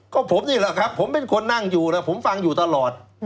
ก็ผมนี่แหละครับผมเป็นคนนั่งอยู่นะผมฟังอยู่ตลอด